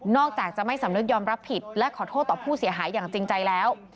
อกจากจะไม่สำนึกยอมรับผิดและขอโทษต่อผู้เสียหายอย่างจริงใจแล้ว